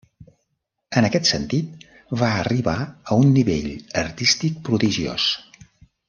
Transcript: En aquest sentit, va arribar a un nivell artístic prodigiós.